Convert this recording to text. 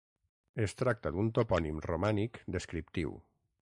Es tracta d'un topònim romànic descriptiu.